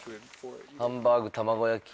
ハンバーグ卵焼き。